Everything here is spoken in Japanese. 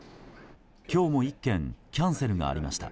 今日も１件キャンセルがありました。